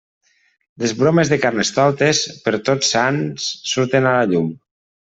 Les bromes de Carnestoltes, per Tots Sants surten a la llum.